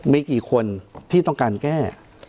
มีกี่คนที่ต้องการแก้